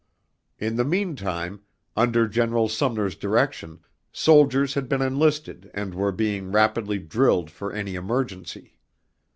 In the meantime, under General Sumner's direction, soldiers had been enlisted and were being rapidly drilled for any emergency.